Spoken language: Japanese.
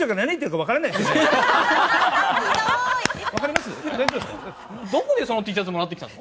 わかります？